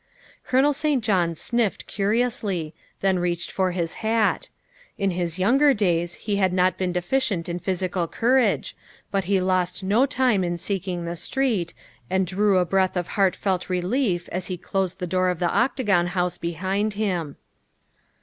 Colonel St. John sniffed curiously, then reached for his hat ; in his younger days he had not been deficient in physical courage, but he lost no time in seeking the street, and drew a breath of heartfelt relief as he closed the door of the Octagon House behind him.